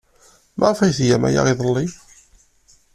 Maɣef ay tgam aya iḍelli?